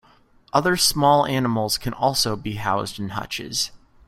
Other small animals can also be housed in hutches.